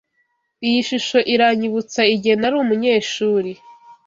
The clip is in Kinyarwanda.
Iyi shusho iranyibutsa igihe nari umunyeshuri.